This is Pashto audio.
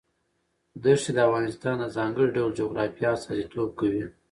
دښتې د افغانستان د ځانګړي ډول جغرافیه استازیتوب کوي.